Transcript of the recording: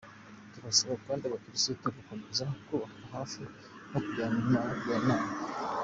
Turasaba kandi abakirisitu gukomeza kutuba hafi no kutugira inama ».